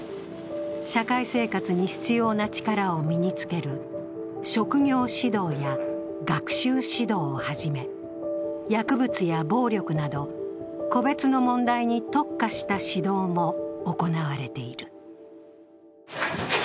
社会生活に必要な力を身につける職業指導や学習指導をはじめ、薬物や暴力など、個別の問題に特化した指導も行われている。